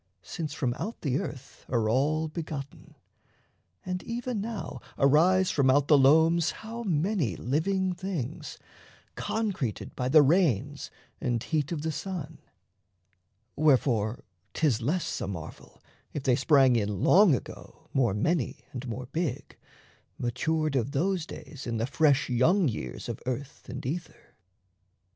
since from out the earth Are all begotten. And even now arise From out the loams how many living things Concreted by the rains and heat of the sun. Wherefore 'tis less a marvel, if they sprang In Long Ago more many, and more big, Matured of those days in the fresh young years Of earth and ether.